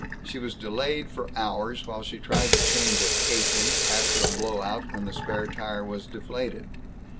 She was delayed for hours, while she tried to change a casing, after a blow out when the spare tire was deflated.